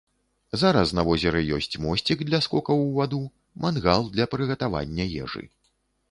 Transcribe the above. Зараз на возеры ёсць мосцік для скокаў у ваду, мангал для прыгатавання ежы.